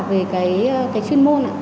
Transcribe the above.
về cái chuyên môn